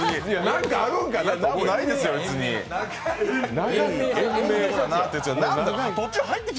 何かあるんかなって。